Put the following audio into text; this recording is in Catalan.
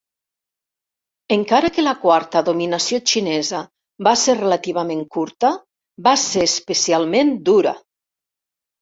Encara que la quarta dominació xinesa va ser relativament curta, va ser especialment dura.